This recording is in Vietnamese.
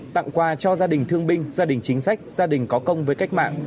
tặng quà cho gia đình thương binh gia đình chính sách gia đình có công với cách mạng